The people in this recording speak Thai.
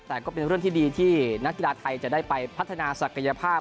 แต่ก็เป็นเรื่องที่ดีที่นักกีฬาไทยจะได้ไปพัฒนาศักยภาพ